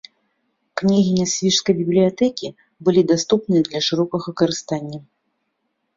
Кнігі нясвіжскай бібліятэкі былі даступныя для шырокага карыстання.